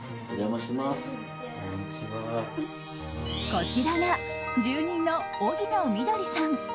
こちらが住人の荻野みどりさん。